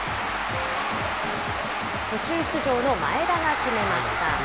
途中出場の前田が決めました。